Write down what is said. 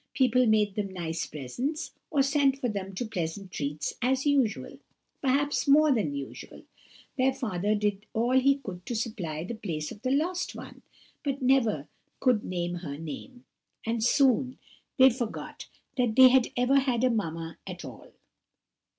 People made them nice presents, or sent for them to pleasant treats, as usual—perhaps more than usual; their father did all he could to supply the place of the lost one, but never could name her name; and soon they forgot that they had ever had a mamma at all.